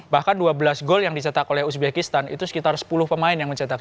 bahkan dua belas gol yang dicetak oleh uzbekistan itu sekitar sepuluh pemain yang mencetak